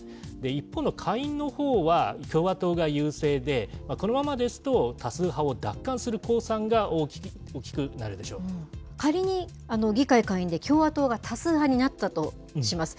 一方の下院のほうは、共和党が優勢で、このままですと、多数派を奪還する公算が大きくなるでしょ仮に、議会下院で共和党が多数派になったとします。